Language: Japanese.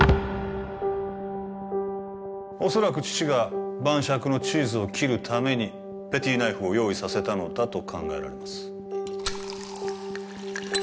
恐らく父が晩酌のチーズを切るためにペティナイフを用意させたのだと考えられます